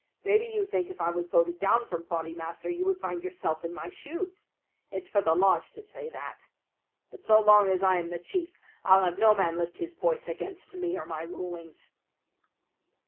"Maybe you think if I was voted down from Bodymaster you would find yourself in my shoes. It's for the lodge to say that. But so long as I am the chief I'll have no man lift his voice against me or my rulings."